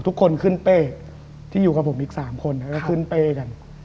ทุกคนขึ้นเป้ที่อยู่กับผมอีก๓คนแล้วก็ขึ้นเป้กัน